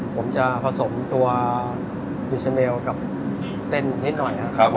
ผมจะผสมตัวอิสเมลกับเส้นนิดหน่อยนะครับผม